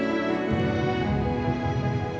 aku mau pergi